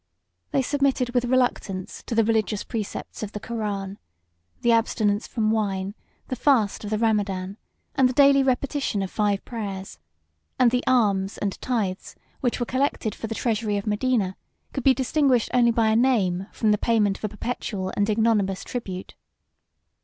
They submitted with reluctance to the religious precepts of the Koran, the abstinence from wine, the fast of the Ramadan, and the daily repetition of five prayers; and the alms and tithes, which were collected for the treasury of Medina, could be distinguished only by a name from the payment of a perpetual and ignominious tribute.